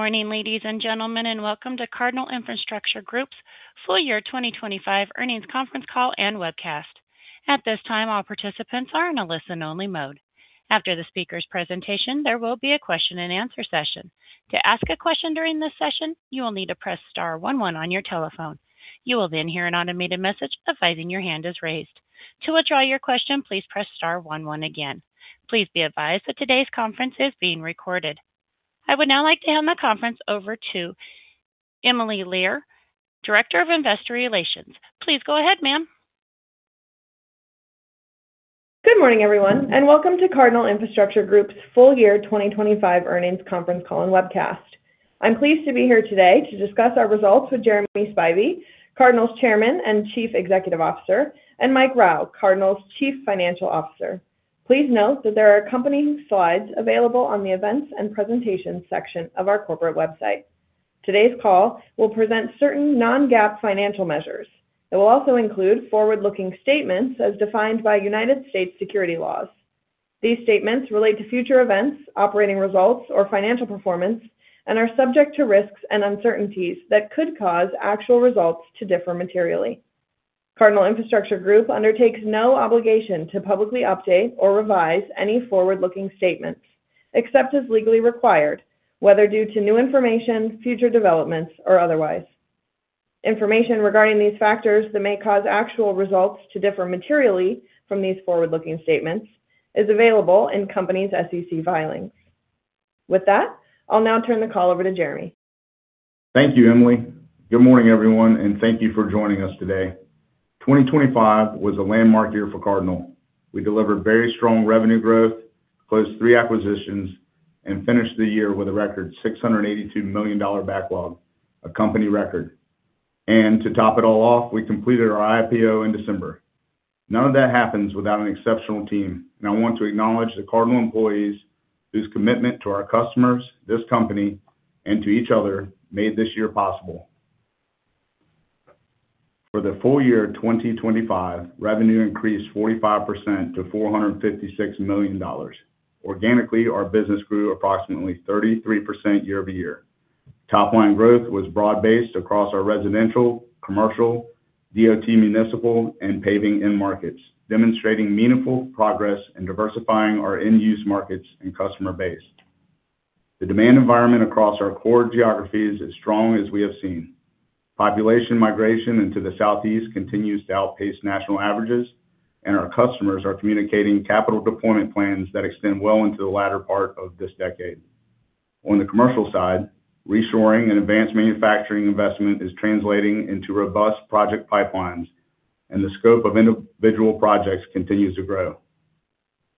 Morning, ladies and gentlemen, and welcome to Cardinal Infrastructure Group's full year 2025 earnings conference call and webcast. At this time, all participants are in a listen-only mode. After the speaker's presentation, there will be a question-and-answer session. To ask a question during this session, you will need to press star one one on your telephone. You will then hear an automated message advising your hand is raised. To withdraw your question, please press star one one again. Please be advised that today's conference is being recorded. I would now like to hand the conference over to Emily Lear, Director of Investor Relations. Please go ahead, ma'am. Good morning, everyone, and welcome to Cardinal Infrastructure Group's full year 2025 earnings conference call and webcast. I'm pleased to be here today to discuss our results with Jeremy Spivey, Cardinal's Chairman and Chief Executive Officer, and Mike Rowe, Cardinal's Chief Financial Officer. Please note that there are accompanying slides available on the Events and Presentations section of our corporate website. Today's call will present certain non-GAAP financial measures. It will also include forward-looking statements as defined by United States' securities laws. These statements relate to future events, operating results, or financial performance, and are subject to risks and uncertainties that could cause actual results to differ materially. Cardinal Infrastructure Group undertakes no obligation to publicly update or revise any forward-looking statements except as legally required, whether due to new information, future developments, or otherwise. Information regarding these factors that may cause actual results to differ materially from these forward-looking statements is available in company's SEC filings. With that, I'll now turn the call over to Jeremy. Thank you, Emily. Good morning, everyone, and thank you for joining us today. 2025 was a landmark year for Cardinal. We delivered very strong revenue growth, closed three acquisitions, and finished the year with a record $682 million backlog, a company record. To top it all off, we completed our IPO in December. None of that happens without an exceptional team, and I want to acknowledge the Cardinal employees whose commitment to our customers, this company, and to each other made this year possible. For the full year 2025, revenue increased 45% to $456 million. Organically, our business grew approximately 33% year-over-year. Top line growth was broad-based across our residential, commercial, DOT municipal, and paving end markets, demonstrating meaningful progress in diversifying our end-use markets and customer base. The demand environment across our core geography is as strong as we have seen. Population migration into the Southeast continues to outpace national averages, and our customers are communicating capital deployment plans that extend well into the latter part of this decade. On the commercial side, reshoring and advanced manufacturing investment is translating into robust project pipelines, and the scope of individual projects continues to grow.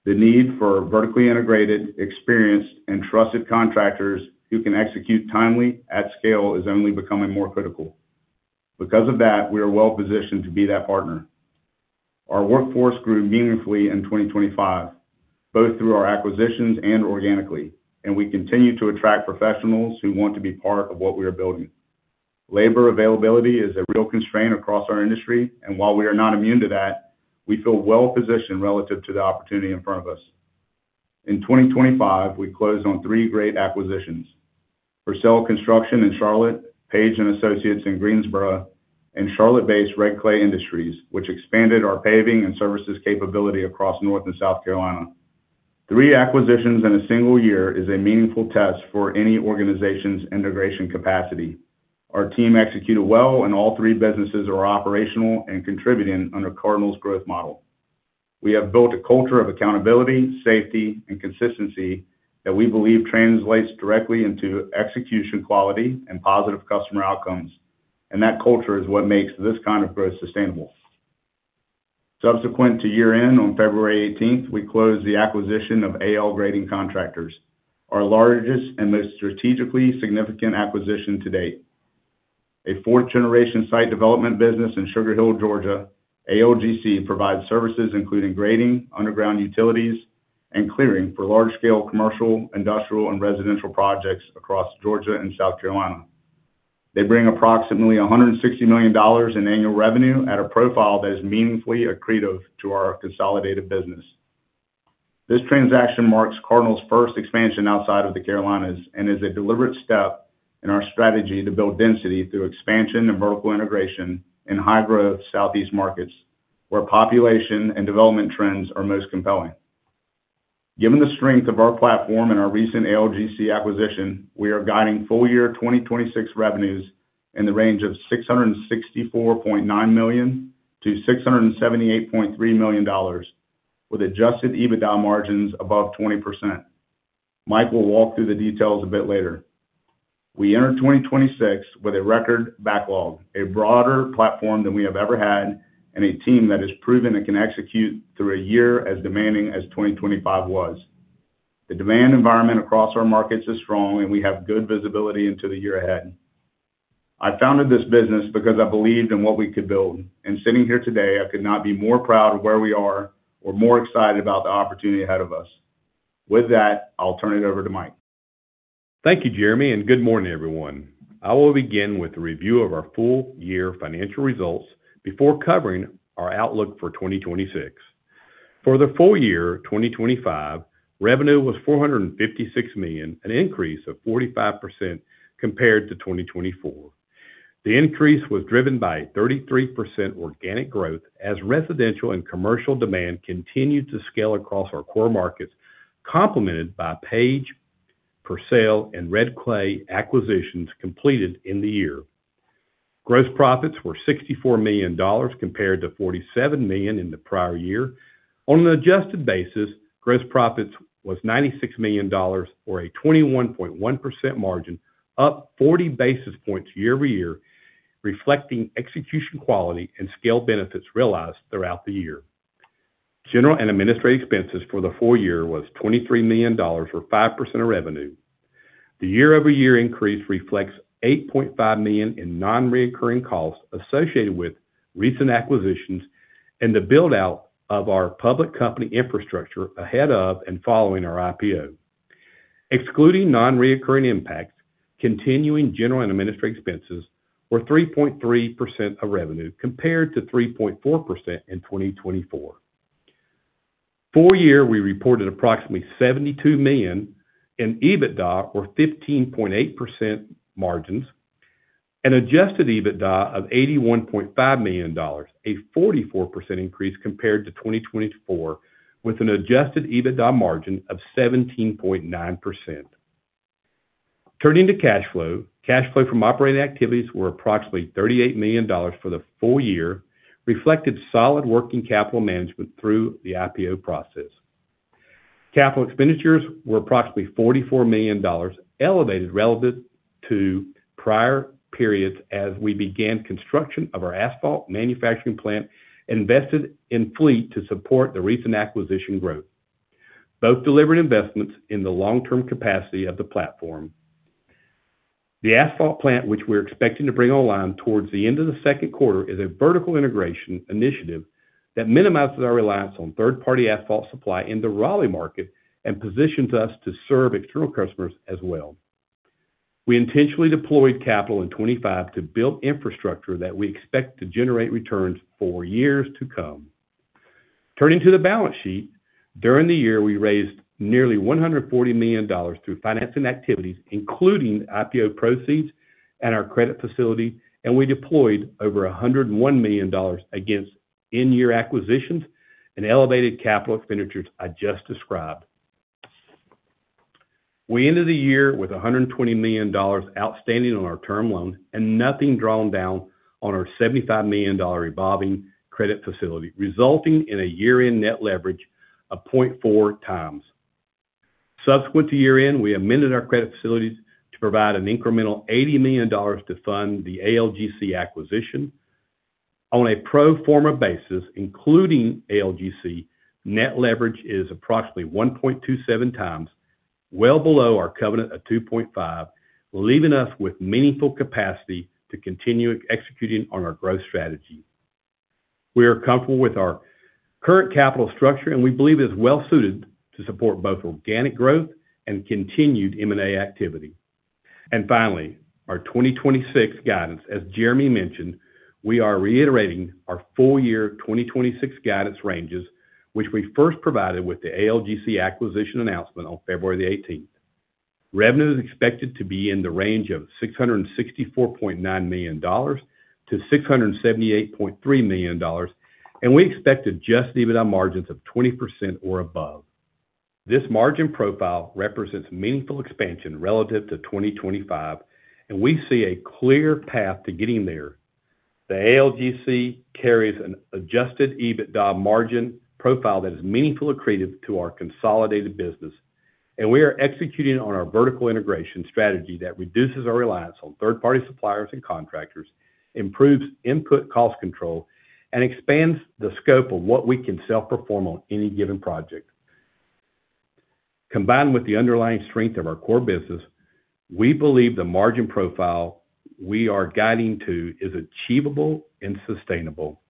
The need for vertically integrated, experienced, and trusted contractors who can execute timely at scale is only becoming more critical. Because of that, we are well positioned to be that partner. Our workforce grew meaningfully in 2025, both through our acquisitions and organically, and we continue to attract professionals who want to be part of what we are building. Labor availability is a real constraint across our industry, and while we are not immune to that, we feel well-positioned relative to the opportunity in front of us. In 2025, we closed on three great acquisitions. Purcell Construction in Charlotte, Page & Associates in Greensboro, and Charlotte-based Red Clay Industries, which expanded our paving and services capability across North and South Carolina. Three acquisitions in a single year is a meaningful test for any organization's integration capacity. Our team executed well and all three businesses are operational and contributing under Cardinal's growth model. We have built a culture of accountability, safety, and consistency that we believe translates directly into execution quality and positive customer outcomes. That culture is what makes this kind of growth sustainable. Subsequent to year-end on February18th, we closed the acquisition of A.L. Grading Contractors, our largest and most strategically significant acquisition to date. A fourth-generation site development business in Sugar Hill, Georgia, ALGC provides services including grading, underground utilities, and clearing for large-scale commercial, industrial, and residential projects across Georgia and South Carolina. They bring approximately $160 million in annual revenue at a profile that is meaningfully accretive to our consolidated business. This transaction marks Cardinal's first expansion outside of the Carolinas and is a deliberate step in our strategy to build density through expansion and vertical integration in high-growth Southeast markets, where population and development trends are most compelling. Given the strength of our platform and our recent ALGC acquisition, we are guiding full year 2026 revenues in the range of $664.9 million-$678.3 million with adjusted EBITDA margins above 20%. Mike will walk through the details a bit later. We enter 2026 with a record backlog, a broader platform than we have ever had, and a team that has proven it can execute through a year as demanding as 2025 was. The demand environment across our markets is strong, and we have good visibility into the year ahead. I founded this business because I believed in what we could build, and sitting here today, I could not be more proud of where we are or more excited about the opportunity ahead of us. With that, I'll turn it over to Mike. Thank you, Jeremy, and good morning, everyone. I will begin with a review of our full year financial results before covering our outlook for 2026. For the full year 2025, revenue was $456 million, an increase of 45% compared to 2024. The increase was driven by 33% organic growth as residential and commercial demand continued to scale across our core markets, complemented by Page, Purcell, and Red Clay acquisitions completed in the year. Gross profits were $64 million compared to $47 million in the prior year. On an adjusted basis, gross profits was $96 million, or a 21.1% margin, up 40 basis points year-over-year, reflecting execution quality and scale benefits realized throughout the year. General and administrative expenses for the full year was $23 million, or 5% of revenue. The year-over-year increase reflects $8.5 million in non-recurring costs associated with recent acquisitions and the build-out of our public company infrastructure ahead of and following our IPO. Excluding non-reoccurring impacts, continuing general and administrative expenses were 3.3% of revenue compared to 3.4% in 2024. Full year, we reported approximately $72 million in EBITDA, or 15.8% margins, and adjusted EBITDA of $81.5 million, a 44% increase compared to 2024, with an adjusted EBITDA margin of 17.9%. Turning to cash flow. Cash flow from operating activities were approximately $38 million for the full year, reflected solid working capital management through the IPO process. Capital expenditures were approximately $44 million, elevated relative to prior periods as we began construction of our asphalt manufacturing plant, invested in fleet to support the recent acquisition growth. Both delivered investments in the long-term capacity of the platform. The asphalt plant, which we're expecting to bring online towards the end of the second quarter, is a vertical integration initiative that minimizes our reliance on third-party asphalt supply in the Raleigh market and positions us to serve external customers as well. We intentionally deployed capital in 2025 to build infrastructure that we expect to generate returns for years to come. Turning to the balance sheet. During the year, we raised nearly $140 million through financing activities, including IPO proceeds and our credit facility, and we deployed over $101 million against in-year acquisitions and elevated capital expenditures I just described. We ended the year with $120 million outstanding on our term loan and nothing drawn down on our $75 million revolving credit facility, resulting in a year-end net leverage of 0.4x. Subsequent to year-end, we amended our credit facilities to provide an incremental $80 million to fund the ALGC acquisition. On a pro forma basis, including ALGC, net leverage is approximately 1.27x, well below our covenant of 2.5x, leaving us with meaningful capacity to continue executing on our growth strategy. We are comfortable with our current capital structure, and we believe it is well suited to support both organic growth and continued M&A activity. Finally, our 2026 guidance. As Jeremy mentioned, we are reiterating our full-year 2026 guidance ranges, which we first provided with the ALGC acquisition announcement on February 18. Revenue is expected to be in the range of $664.9 million-$678.3 million, and we expect adjusted EBITDA margins of 20% or above. This margin profile represents meaningful expansion relative to 2025, and we see a clear path to getting there. The ALGC carries an adjusted EBITDA margin profile that is meaningfully accretive to our consolidated business, and we are executing on our vertical integration strategy that reduces our reliance on third-party suppliers and contractors, improves input cost control, and expands the scope of what we can self-perform on any given project. Combined with the underlying strength of our core business, we believe the margin profile we are guiding to is achievable and sustainable.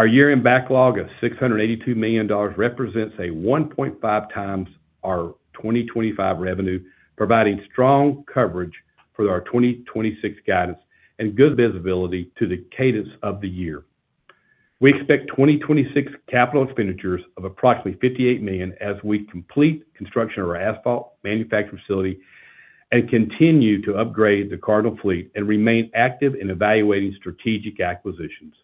Our year-end backlog of $682 million represents a 1.5x our 2025 revenue, providing strong coverage for our 2026 guidance and good visibility to the cadence of the year. We expect 2026 capital expenditures of approximately $58 million as we complete construction of our asphalt manufacturing facility and continue to upgrade the Cardinal fleet and remain active in evaluating strategic acquisitions.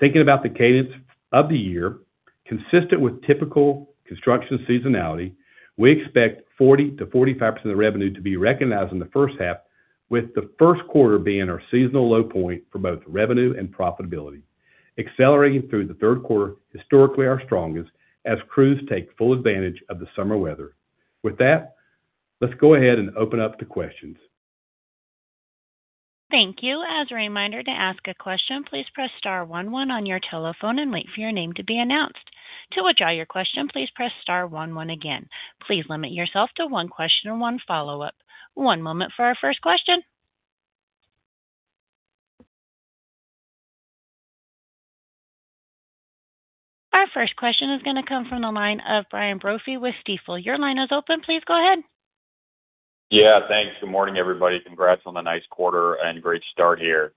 Thinking about the cadence of the year, consistent with typical construction seasonality, we expect 40%-45% of revenue to be recognized in the first half, with the first quarter being our seasonal low point for both revenue and profitability, accelerating through the third quarter, historically our strongest, as crews take full advantage of the summer weather. With that, let's go ahead and open up to questions. Thank you. As a reminder to ask a question, please press star one one on your telephone and wait for your name to be announced. To withdraw your question, please press star one one again. Please limit yourself to one question and one follow-up. One moment for our first question. Our first question is gonna come from the line of Brian Brophy with Stifel. Your line is open. Please go ahead. Yeah, thanks. Good morning, everybody. Congrats on the nice quarter and great start here.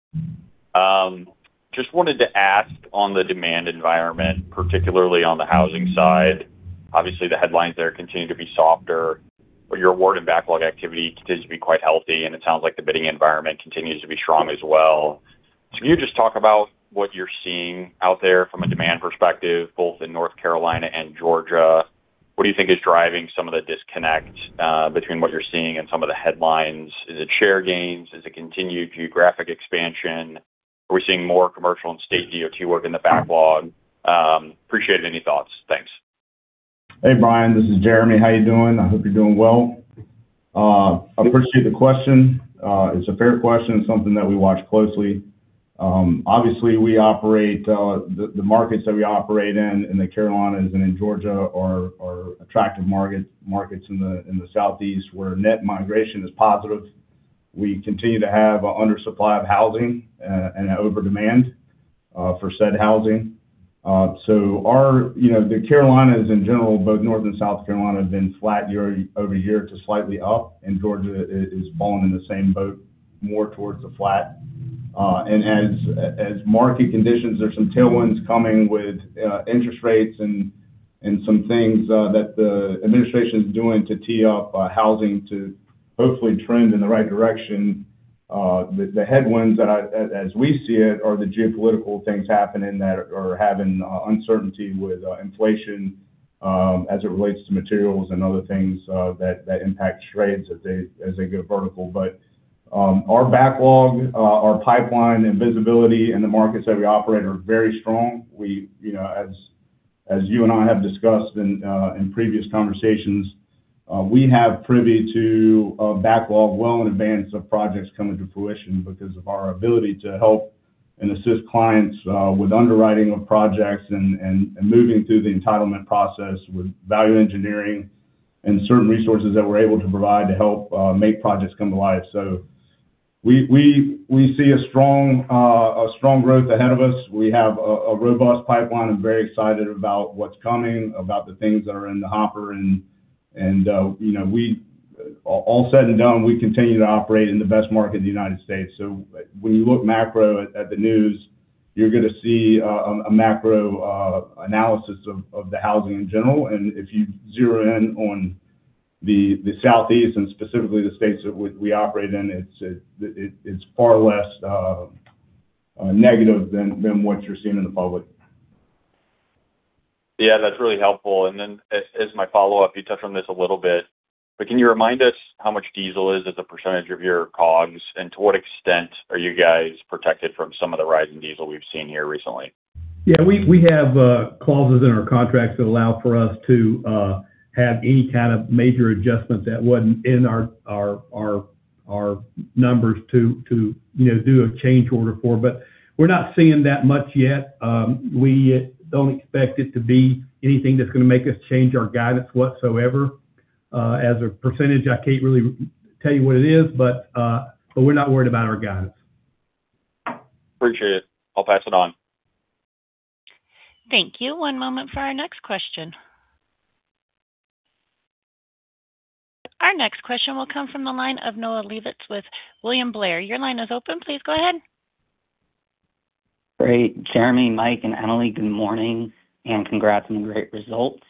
Just wanted to ask on the demand environment, particularly on the housing side. Obviously, the headlines there continue to be softer, but your award and backlog activity continues to be quite healthy, and it sounds like the bidding environment continues to be strong as well. Can you just talk about what you're seeing out there from a demand perspective, both in North Carolina and Georgia? What do you think is driving some of the disconnect between what you're seeing and some of the headlines? Is it share gains? Is it continued geographic expansion? Are we seeing more commercial and state DOT work in the backlog? Appreciate any thoughts. Thanks. Hey, Brian, this is Jeremy. How you doing? I hope you're doing well. I appreciate the question. It's a fair question. It's something that we watch closely. Obviously, we operate the markets that we operate in the Carolinas and in Georgia are attractive markets in the Southeast, where net migration is positive. We continue to have an undersupply of housing and an overdemand for said housing. You know, the Carolinas in general, both North and South Carolina have been flat year-over-year to slightly up, and Georgia is falling in the same boat, more towards the flat. As market conditions, there's some tailwinds coming with interest rates and some things that the administration is doing to tee up housing to hopefully trend in the right direction. The headwinds, as we see it, are the geopolitical things happening that are having uncertainty with inflation as it relates to materials and other things that impact trades as they go vertical. Our backlog, our pipeline and visibility in the markets that we operate are very strong. You know, as you and I have discussed in previous conversations, we are privy to a backlog well in advance of projects coming to fruition because of our ability to help and assist clients with underwriting of projects and moving through the entitlement process with value engineering and certain resources that we're able to provide to help make projects come to life. We see a strong growth ahead of us. We have a robust pipeline. I'm very excited about what's coming, about the things that are in the hopper. All said and done, we continue to operate in the best market in the United States. When you look macro at the news, you're gonna see a macro analysis of the housing in general. If you zero in on the Southeast and specifically the states that we operate in, it's far less negative than what you're seeing in the public. Yeah, that's really helpful. Then as my follow-up, you touched on this a little bit, but can you remind us how much diesel is as a percentage of your COGS, and to what extent are you guys protected from some of the rise in diesel we've seen here recently? Yeah. We have clauses in our contracts that allow for us to have any kind of major adjustment that wasn't in our numbers to you know do a change order for, but we're not seeing that much yet. We don't expect it to be anything that's gonna make us change our guidance whatsoever. As a percentage, I can't really tell you what it is, but we're not worried about our guidance. Appreciate it. I'll pass it on. Thank you. One moment for our next question. Our next question will come from the line of Noah Levitz with William Blair. Your line is open. Please go ahead. Great. Jeremy, Mike, and Emily, good morning, and congrats on the great results.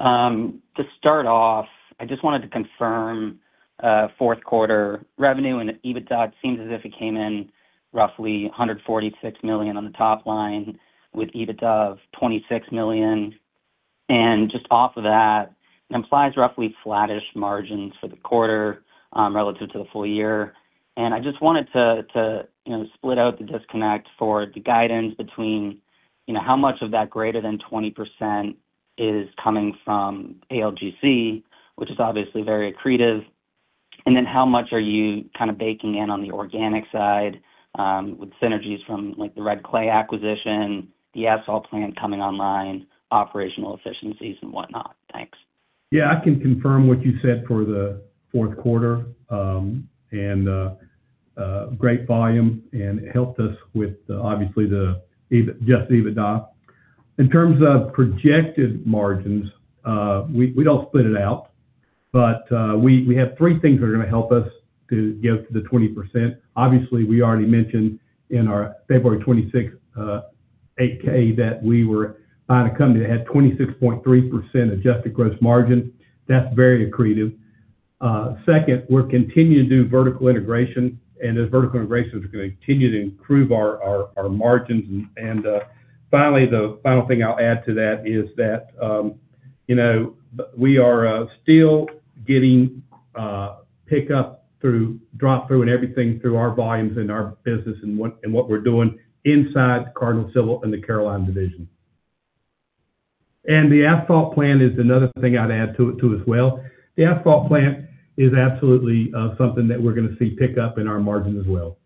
To start off, I just wanted to confirm, fourth quarter revenue and EBITDA. It seems as if it came in roughly $146 million on the top line with EBITDA of $26 million. Just off of that, it implies roughly flattish margins for the quarter, relative to the full year. I just wanted to you know split out the disconnect for the guidance between, you know, how much of that greater than 20% is coming from ALGC, which is obviously very accretive, and then how much are you kind of baking in on the organic side, with synergies from like the Red Clay acquisition, the asphalt plant coming online, operational efficiencies and whatnot? Thanks. Yeah. I can confirm what you said for the fourth quarter, and great volume, and it helped us with obviously the adjusted EBITDA. In terms of projected margins, we don't split it out, but we have three things that are gonna help us to get to the 20%. Obviously, we already mentioned in our February 26th 8-K that we were on a company that had 26.3% adjusted gross margin. That's very accretive. Second, we're continuing to do vertical integration, and as vertical integration is gonna continue to improve our margins. Finally, the final thing I'll add to that is that, you know, we are still getting pick up through drop through and everything through our volumes and our business and what we're doing inside Cardinal Civil and the Carolinas division. The asphalt plant is another thing I'd add to it too as well. The asphalt plant is absolutely something that we're gonna see pick up in our margin as well.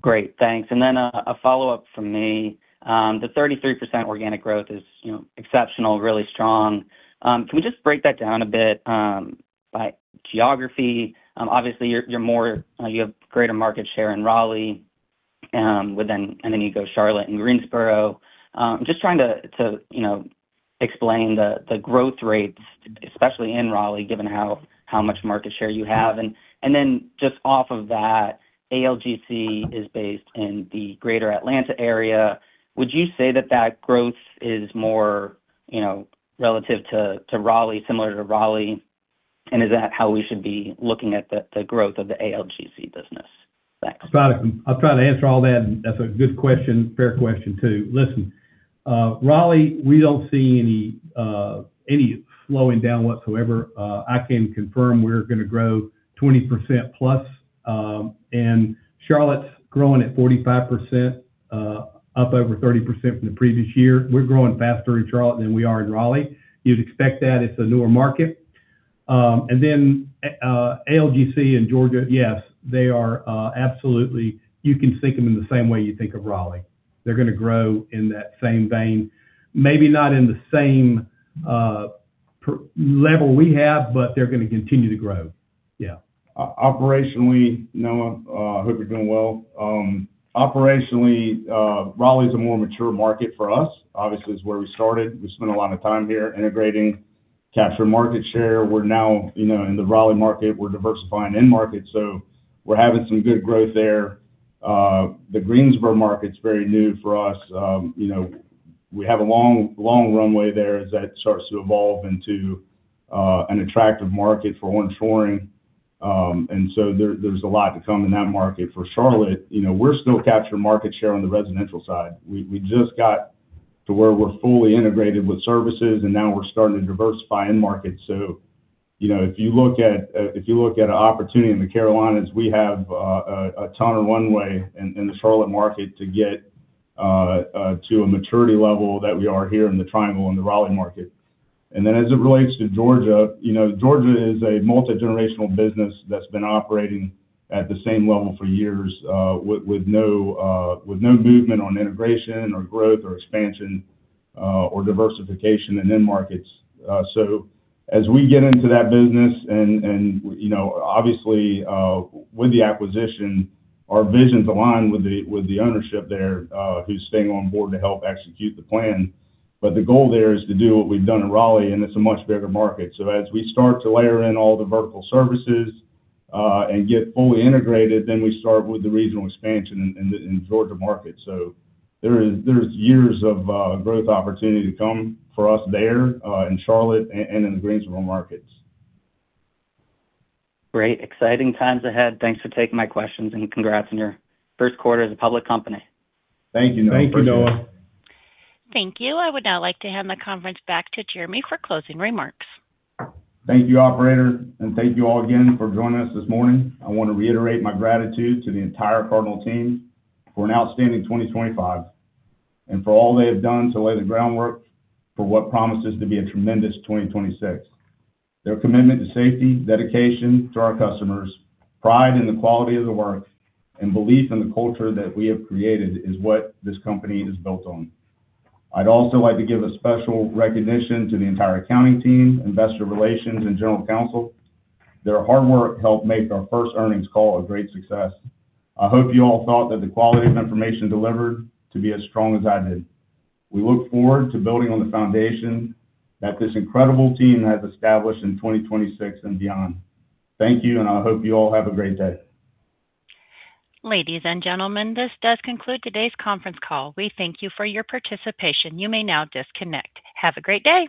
Great. Thanks. A follow-up from me. The 33% organic growth is, you know, exceptional, really strong. Can we just break that down a bit, by geography? Obviously, you have greater market share in Raleigh, and then you go Charlotte and Greensboro. Just trying to, you know, explain the growth rates, especially in Raleigh, given how much market share you have. Just off of that, ALGC is based in the Greater Atlanta area. Would you say that that growth is more, you know, relative to Raleigh, similar to Raleigh? And is that how we should be looking at the growth of the ALGC business? Thanks. I'll try to answer all that. That's a good question. Fair question, too. Listen, Raleigh, we don't see any slowing down whatsoever. I can confirm we're gonna grow 20%+, and Charlotte's growing at 45%, up over 30% from the previous year. We're growing faster in Charlotte than we are in Raleigh. You'd expect that, it's a newer market. And then, ALGC in Georgia, yes, they are absolutely. You can think of them in the same way you think of Raleigh. They're gonna grow in that same vein. Maybe not in the same level we have, but they're gonna continue to grow. Yeah. Operationally, Noah, hope you're doing well. Operationally, Raleigh's a more mature market for us. Obviously, it's where we started. We spent a lot of time here integrating, capturing market share. We're now, you know, in the Raleigh market, we're diversifying end markets, so we're having some good growth there. The Greensboro market's very new for us. You know, we have a long, long runway there as that starts to evolve into an attractive market for infill. There, there's a lot to come in that market. For Charlotte, you know, we're still capturing market share on the residential side. We just got to where we're fully integrated with services, and now we're starting to diversify end markets. You know, if you look at an opportunity in the Carolinas, we have a ton of runway in the Charlotte market to get to a maturity level that we are here in the Triangle and the Raleigh market. As it relates to Georgia, you know, Georgia is a multigenerational business that's been operating at the same level for years, with no movement on integration or growth or expansion, or diversification in end markets. As we get into that business and you know, obviously, with the acquisition, our visions align with the ownership there, who's staying on board to help execute the plan. The goal there is to do what we've done in Raleigh, and it's a much bigger market. As we start to layer in all the vertical services and get fully integrated, then we start with the regional expansion in the Georgia market. There's years of growth opportunity to come for us there in Charlotte and in the Greensboro markets. Great. Exciting times ahead. Thanks for taking my questions, and congrats on your first quarter as a public company. Thank you, Noah. Appreciate it. Thank you, Noah. Thank you. I would now like to hand the conference back to Jeremy for closing remarks. Thank you, operator, and thank you all again for joining us this morning. I want to reiterate my gratitude to the entire Cardinal team for an outstanding 2025 and for all they have done to lay the groundwork for what promises to be a tremendous 2026. Their commitment to safety, dedication to our customers, pride in the quality of the work, and belief in the culture that we have created is what this company is built on. I'd also like to give a special recognition to the entire accounting team, investor relations, and general counsel. Their hard work helped make our first earnings call a great success. I hope you all thought that the quality of information delivered to be as strong as I did. We look forward to building on the foundation that this incredible team has established in 2026 and beyond. Thank you, and I hope you all have a great day. Ladies and gentlemen, this does conclude today's conference call. We thank you for your participation. You may now disconnect. Have a great day.